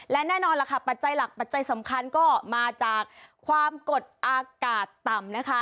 และแน่นอนล่ะค่ะปัจจัยหลักปัจจัยสำคัญก็มาจากความกดอากาศต่ำนะคะ